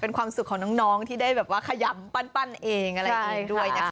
เป็นความสุขของน้องที่ได้แบบว่าขยำปั้นเองอะไรอย่างนี้ด้วยนะคะ